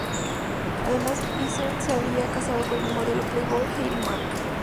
Además, Vince se había casado con la modelo playboy Heidi Mark.